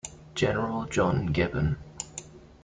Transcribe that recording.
General John Gibbon.